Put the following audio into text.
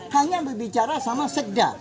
hanya berbicara sama sekda